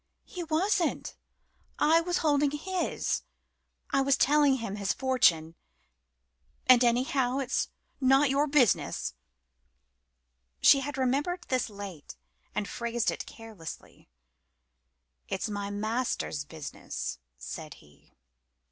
"He wasn't I was holding his. I was telling him his fortune. And, anyhow, it's not your business." She had remembered this late and phrased it carelessly. "It is my Master's business," said he.